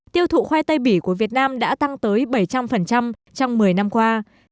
tiêu thụ khoai tây bỉ của việt nam đã tăng tới bảy trăm linh trong một mươi năm qua